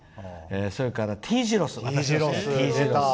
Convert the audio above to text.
それからＴ字路ｓ。